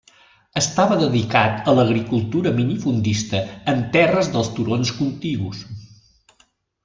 Estava dedicat a l'agricultura minifundista en terres dels turons contigus.